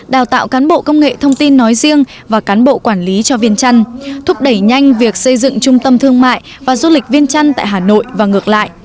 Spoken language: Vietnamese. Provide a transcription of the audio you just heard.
đào tạo cán bộ công nghệ thông tin nói riêng và cán bộ quản lý cho viên trăn thúc đẩy nhanh việc xây dựng trung tâm thương mại và du lịch viên chăn tại hà nội và ngược lại